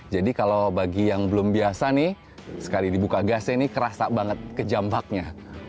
jadi kalau bagi yang belum biasa nih sekali dibuka gasnya ini kerasa banget ke jambaknya